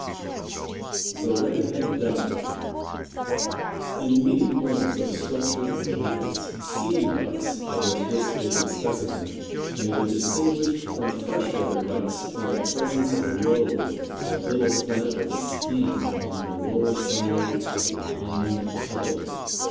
THE RED HEAD DUCK. In many points of structure and habits Sea Ducks, of which this is a specimen, may be distinguished from Fresh Water Ducks by the presence of a lobe or little flap of skin on the lower side of the hind toe.